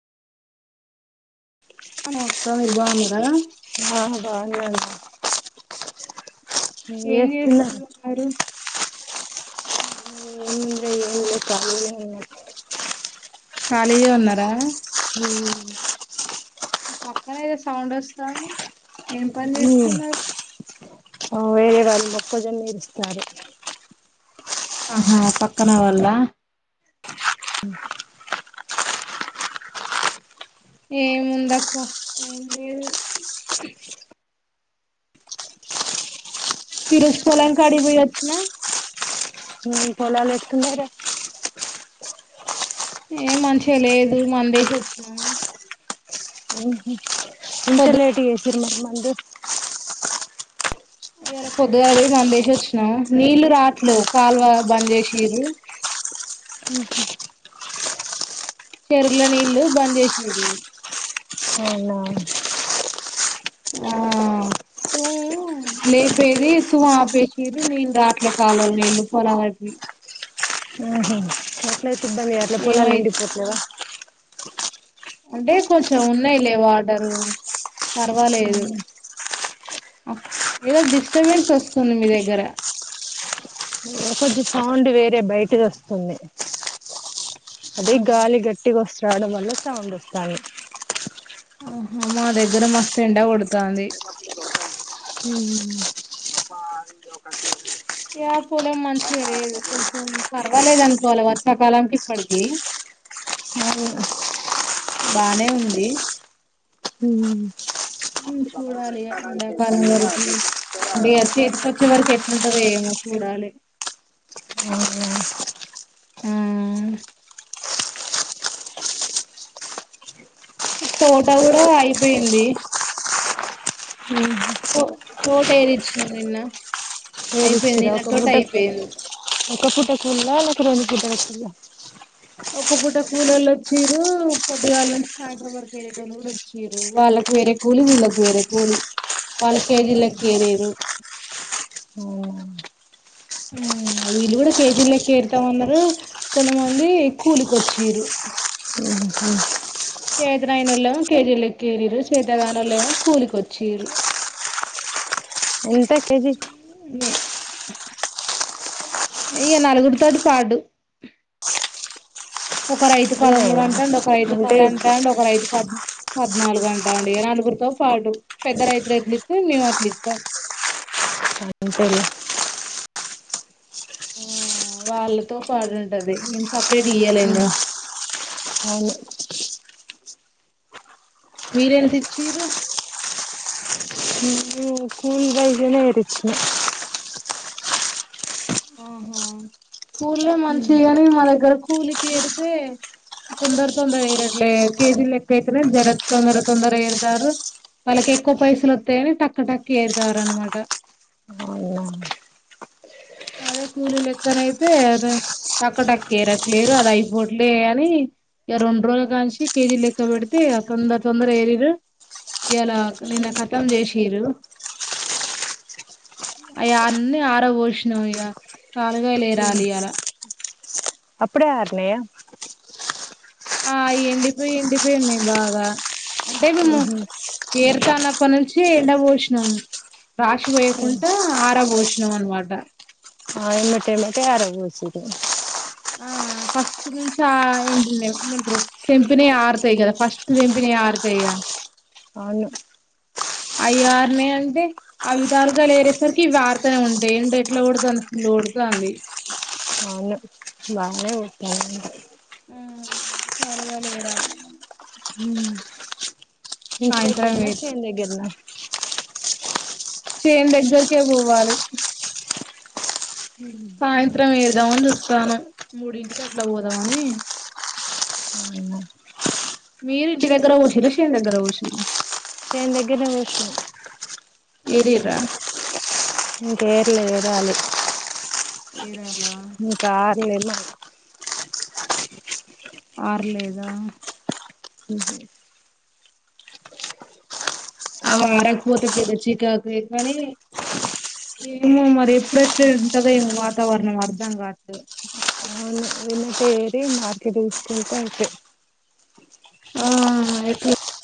[unintelligible] అక్క మీరు బాగున్నారా ఆ బాగున్నాను ఏం చేస్తున్నారు ఏం చేయలే ఖాళీగనే ఉన్న ఖాళీగా ఉన్నరా హ్మూ పక్కన ఏదో సౌండ్ వస్తాంది ఏం పని చేస్తున్నారు వేరే వర్క్ మొక్కజొన్న ఇరుస్తున్నారు ఆహా పక్కన వాళ్ళా ఏముందక్క ఏం లేదు ఈ రోజు పొలం కాడికి పొయొచ్చిన పొలాలేస్తుండార ఏం మంచిగా లేదు మందేసి వచ్చినాం హ్మ్ మ్మ్ ఇంత పొద్దు లేట్ గా ఏసిండ్రు మరి మందు ఇయాల పొద్దుగాల బొయి మందేసొచ్చినం నీళ్ళు రాట్లేవు కాలువ బంద్ చేసింన్రు చెరవుల నీళ్ళు బంద్ చేసింరు అవునా ఆ తూము లేపేది తూము ఆపేసిర్రు నీళ్ళు రాట్లే కాలువల నీళ్ళు పొలాలకి పెద్దగ ఎయ్యట్లే పోలాలు ఎండి ఏమైత్ పోతున్నైగా అంటే కొంచెం ఉన్నాయి లేవా ఆడరు పర్వాలేదు ఏదో డిస్టబెన్స్ వస్తుంది మీ దగ్గర కొంచదిె సౌండ్ వేరే బయటికి వస్తుంది అదే అవునా గాలి గట్టికి వస్తంది రావడం వల్ల సౌం వస్తాను ఆహా మా దగ్గర మస్తు ఎండ కొడుతాంది హహమ్ ఏ పొలం మంచిగా లేదు కొంచెం పర్వాలేదు అనుకోవాలి వర్షాకాలంకి ఇప్పటికి బానే ఉంది చూడాలి ఎండాకాలం వరకు అంటే చేతికి వచ్చే వరకు ఎట్లుంటంద ఏమో చూడాలి అవునా ఆ తోట కూడా అయిపోయింది పో తట ఏరిచ్చినన్న ఒక ఫట ఒక ఫట స్ూ త రద్ద వచ్చ ఒక పూట కూల వాళ్ళు వచ్చరు కొద్దిగాళ్ళంచి సాయట్రం వర్క్ వరేట వాళ్ళు కూడా వచ్చరు వాళ్ళకి వేరే కూలి వీళ్ళకి వేరే కూలి వాళ్ళ కేజీలకి వరరు వీళ్ళు కూడా కేతిీ లెక్కేరుతా ఉన్నారు కొంతమంది కూలిక వచ్చి వీరు చేతనాయన వాళ్ళ ఏమో కేజీల ఎక్కేరరు చేతగాన వాళ్ళ ఏమో కూలికొచ్చిరు ఎంత కేజీ ఇయక నలుగురి తోటి పాడు ఒక రైతు పదమూడు అంటా అండి ఒక అంతేనా రైతు అంతే పది అంటా అండి ఒక రైతు పది పద్నాలుగు గంట అండి నలుగురితో పాటు పెద్ద రైతులు ఎట్లు ఇస్తా మేము అట్లు ఇస్తాం అ సర ఆ వాళ్ళతో పాడుంటది ఏ స అ అవును మీరేంత తెచ్చరు కైనేేరికి ఆహా స్కూల్ మంచిగాని మా దగ్గర కూకూలికి ఏరితే తొందర తొందర ఏరట్లే కేజీలు ఎక్కయితేనే జర తొందర తొందర ఏరుతారు వాళ్ళకి ఎక్కువ పైసలు వస్తాయని టక్క్క టక్కి ఏరుతారు అనమాట అవునా అదే కూలీ లెక్కనయితే టక్క టకు ఏరట్లేరు అది అయిపోవట్లే అని ఇక రెండు రోజులు కాసి కేజీ లెక్క పెడితే తొందర తొందర ఏరరు ఇలా నిన్న కతం చేసరు అ అన్ని ఆర పోష ఇ కాలుగా లేరాలి అలా అప్పుడ ఆర్న్నయ ఆ ఎండిపోయి ఎండిపోయి ఉన్నాయి బాగా అంటే మేము చేరుతానప్ప నుంచి సే ఎలా పోషణం రాశి వయకుండా ఆరభోష మన్ వాట ఆ ఏమట ఏమట ఆయరు వచ్చిది ఆ ఫస్ట్ నుంచి ఆ ఏంటింపంటారు తెంపినవి ఆరుతాయి కదా ఫస్ట్ తెంపినావి ఆరుతాయిగా అవును అయ్యర్నే అంటే అవిధారుగా లేరేసరికి ఇవిడతనే ఉంటాయి ఏంటో ఎట్లా ఓడుతంది అ ఓడుతంది బాగా వస్తావా ఉమ్ కాలిగా లే రా ఉమ్ ఇంటి సాయంత్రం దగ్గరనా ఏరుతాం చేను దగ్గరనా చేన్ దగ్గరకే పోవాలి సాయంత్రం ఏరుదామని చూస్తాను మూడింటికి అట్లా పోదామని అవునా మీరు ఇంటి దగ్గర పోసినారా చేను దగ్గర పోసినారా నచేను దగ్గరనే పోసినామ్ ఏరిర్రా ఇంకా ఏర్లే ఏరాలి ఏరా ఇంకా ఆర్లేదు ఆర్లేదా ఉమ్ అవి ఆరకపోతే కదా చిరాకు కానీ ఏమో మరి ఎప్పుడెట్లా ఉంటదో ఏమో వాతావరణం అర్ధం కాదు ఇదంతా ఏరి మార్కెట్ తీసుకెళ్తే అయితే ఆ ఎట్లా